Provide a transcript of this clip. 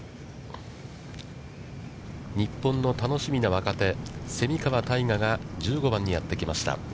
日本の楽しみな若手、蝉川泰果が１５番にやってきました。